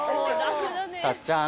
たっちゃん。